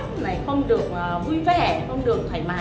như là những người làm những ngành khác